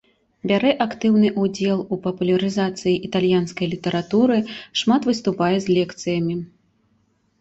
Бярэ актыўны ўдзел у папулярызацыі італьянскай літаратуры, шмат выступае з лекцыямі.